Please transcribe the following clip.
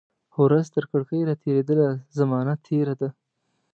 ورځ ترکړکۍ را تیریدله، زمانه تیره ده